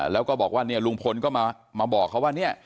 แล้วก็บอกว่าเนี่ยลุงพลก็มาบอกเขาว่าเนี่ย